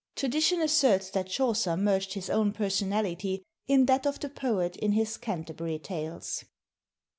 Tradition asserts that Chaucer merged his own personality in that of the Poet in his Canterbury Tales.